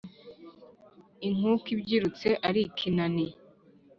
Inkuku ibyirutse ari ikinani;